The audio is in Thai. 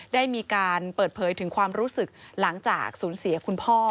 ได้มีการเปิดเผยถึงความรู้สึกหลังจากสูญเสียคุณพ่อ